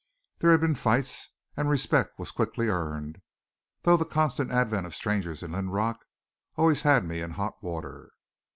There had been fights and respect was quickly earned, though the constant advent of strangers in Linrock always had me in hot water.